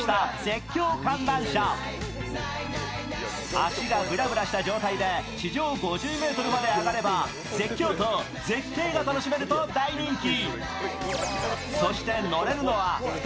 足がぶらぶらした状態で地上５０ｍまで上がれば絶叫と絶景が楽しめると大人気。